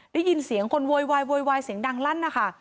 ได้ยินเสียงคนโวยวายโวยวายเสียงดังลั่นนะคะ